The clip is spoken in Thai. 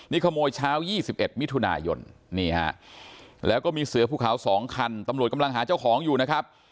นี่ขโมยเช้า๒๑มิถุนายนนี่ฮะแล้วก็มีเสือภูเขา๒คันตำรวจกำลังหาเจ้าของอยู่นะครับ